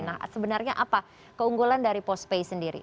nah sebenarnya apa keunggulan dari postpay sendiri